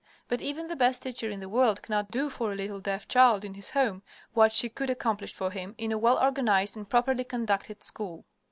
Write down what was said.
But even the best teacher in the world cannot do for a little deaf child in his home what she could accomplish for him in a well organized and properly conducted school.